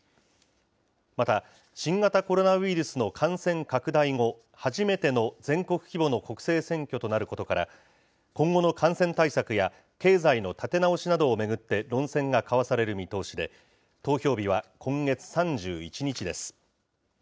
また、新型コロナウイルスの感染拡大後、初めての全国規模の国政選挙となることから、今後の感染対策や経済の立て直しなどを巡って論戦が交わされる見通しで、投票日は今月３１日です。